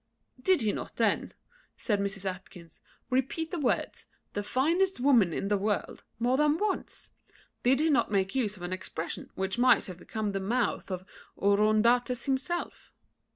"Did he not then," said Mrs. Atkinson, "repeat the words, the finest woman in the world, more than once? did he not make use of an expression which might have become the mouth of Oroondates himself?